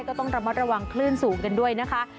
ก็ต้องระมัดระวังคลื่นสูงกันด้วยนะคะ